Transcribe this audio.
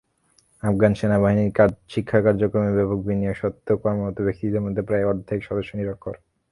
আফগান সেনাবাহিনীর শিক্ষাকার্যক্রমে ব্যাপক বিনিয়োগ সত্ত্বেও কর্মরত ব্যক্তিদের মধ্যে প্রায় অর্ধেক সদস্য নিরক্ষর।